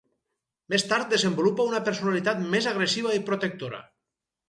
Més tard desenvolupa una personalitat més agressiva i protectora.